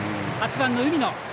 ８番の海野。